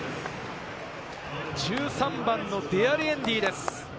１３番のデアリエンディです。